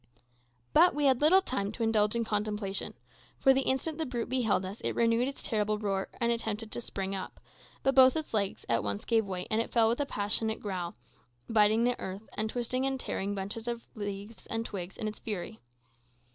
But we had little time to indulge in contemplation, for the instant the brute beheld us it renewed its terrible roar, and attempted to spring up; but both its legs at once gave way, and it fell with a passionate growl, biting the earth, and twisting and tearing bunches of twigs and leaves in its fury.